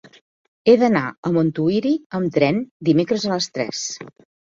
He d'anar a Montuïri amb tren dimecres a les tres.